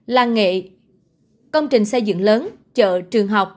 làng nghề công trình xây dựng lớn chợ trường học